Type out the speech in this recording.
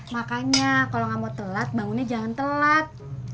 makanya kalau nggak mau telat bangunnya jangan telat